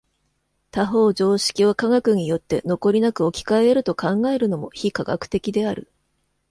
他方常識を科学によって残りなく置き換え得ると考えるのも非科学的である。